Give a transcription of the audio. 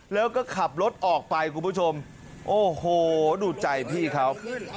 แล้วก็ขับรถออกไปคุณผู้ชมโอ้โหดูใจพี่เขา